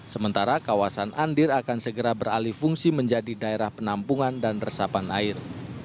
sementara kawasan andir akan segera beralih fungsi menjadi daerah penampungan dan resapan air